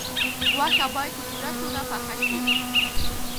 غوښه باید په پوره توګه پاخه شي.